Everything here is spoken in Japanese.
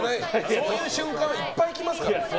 そういう瞬間はいっぱい来ますから。